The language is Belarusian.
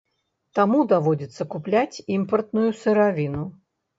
Таму даводзіцца купляць імпартную сыравіну.